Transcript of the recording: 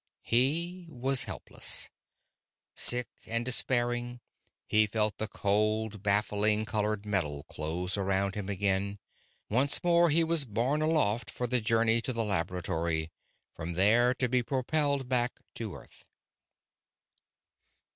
He was helpless. Sick and despairing, he felt the cold, baffling colored metal close around him again; once more he was borne aloft for the journey to the laboratory, from there to be propelled back to Earth.